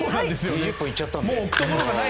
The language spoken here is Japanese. ２０個行っちゃったので。